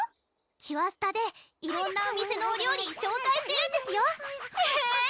キュアスタで色んなお店のお料理紹介してるんですよえぇ！